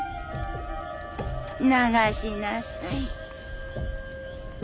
流しなさい。